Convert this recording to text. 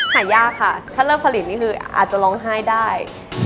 หายากค่ะเคลอร์ผลิตคุณอาจร้องว่ากันได้